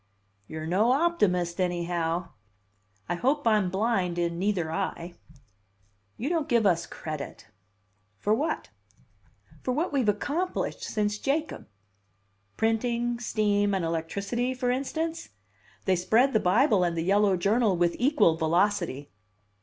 "You're no optimist, anyhow!" "I hope I'm blind in neither eye." "You don't give us credit " "For what?" "For what we've accomplished since Jacob." "Printing, steam, and electricity, for instance? They spread the Bible and the yellow journal with equal velocity."